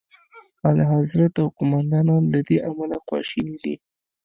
اعلیخضرت او قوماندان له دې امله خواشیني دي.